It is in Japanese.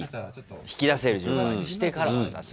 引き出せる順番にしてから渡す。